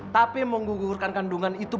tapi menggugurkan kandungan itu